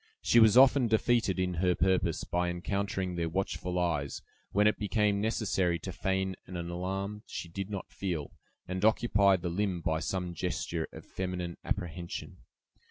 She was often defeated in her purpose, by encountering their watchful eyes, when it became necessary to feign an alarm she did not feel, and occupy the limb by some gesture of feminine apprehension.